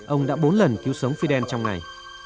ông đã bốn lần cứu sống fidel trong ngày